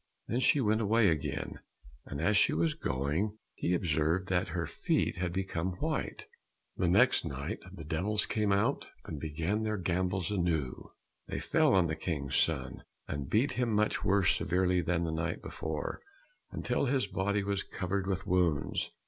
Then she went away again, and as she was going, he observed that her feet had become white. The next night the devils came and began their gambols anew. They fell on the King's son, and beat him much more severely than the night before, until his body was covered with wounds.